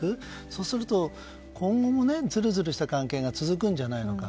そうすると今後もずるずるした関係が続くんじゃないのか。